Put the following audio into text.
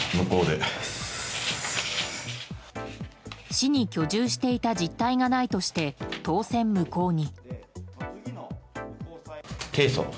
市に居住していた実態がないとして当選無効に。